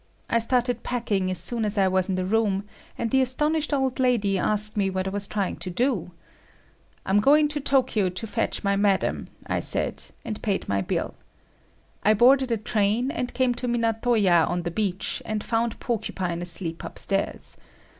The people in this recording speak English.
I started packing as soon as I was in the room, and the astonished old lady asked me what I was trying to do. I'm going to Tokyo to fetch my Madam, I said, and paid my bill. I boarded a train and came to Minato ya on the beach and found Porcupine asleep upstairs.